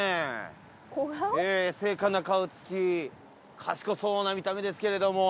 精悍な顔つき賢そうな見た目ですけれども。